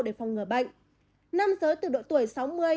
để phòng ngờ bệnh năm giới từ độ tuổi